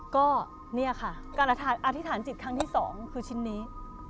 ก็เนี่ยค่ะการอธิษฐานจิตครั้งที่๒คือชิ้นนี้